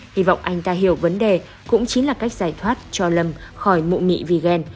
hy vọng anh ta hiểu vấn đề cũng chính là cách giải thoát cho lâm khỏi mụ mị vì ghen